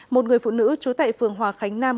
một người phụ nữ chú tệ phường hòa khánh nam